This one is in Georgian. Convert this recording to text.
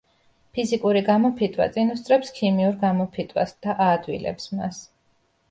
ფიზიკური გამოფიტვა წინ უსწრებს ქიმიურ გამოფიტვას და აადვილებს მას.